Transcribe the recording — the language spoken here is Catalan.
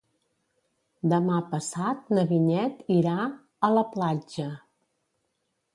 Demà passat na Vinyet irà a la platja.